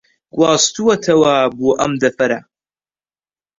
گواستووەتەوە بۆ ئەم دەڤەرە